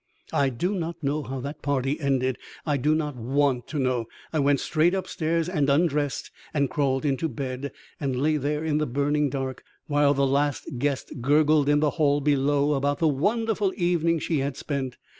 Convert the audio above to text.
I do not know how that party ended. I do not want to know. I went straight upstairs, and undressed and crawled into bed, and lay there in the burning dark while the last guest gurgled in the hall below about the wonderful evening she had spent.